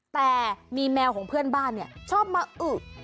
แต่มีแมวของเพื่อนบ้านชอบมาอึก